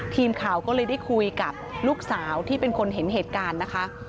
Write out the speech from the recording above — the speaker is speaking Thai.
ทีมข่าวก็เลยได้คุยกับลูกสาวที่เป็นคนเห็นเหตุการณ์นะคะ